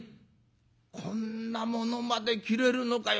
こんなものまで切れるのかよ。